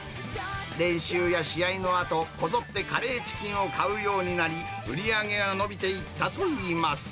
練習や試合のあと、こぞってカレーチキンを買うようになり、売り上げが伸びていったといいます。